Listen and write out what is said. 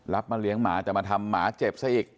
มาเลี้ยงหมาแต่มาทำหมาเจ็บซะอีก